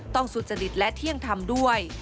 สุจริตและเที่ยงธรรมด้วย